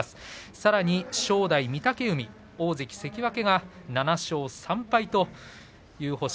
さらに正代、御嶽海大関関脇が７勝３敗という星。